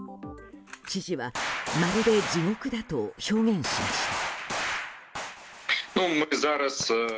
知事はまるで地獄だと表現しました。